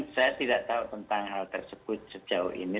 saya tidak tahu tentang hal tersebut sejauh ini